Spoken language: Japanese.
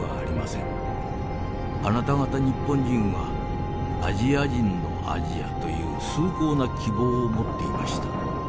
あなた方日本人はアジア人のアジアという崇高な希望を持っていました。